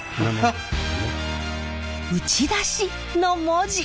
「打出し」の文字。